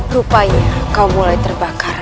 rupanya kau mulai terbakar